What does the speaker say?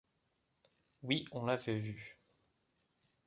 Oui, on l’avait vu !